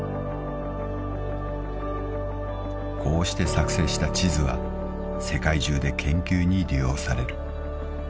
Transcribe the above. ［こうして作成した地図は世界中で研究に利用される］